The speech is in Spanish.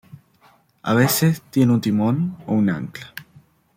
A veces tiene un timón o un ancla.